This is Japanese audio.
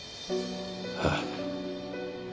ああ。